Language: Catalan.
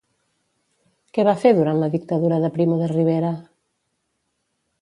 Què va fer durant la Dictadura de Primo de Rivera?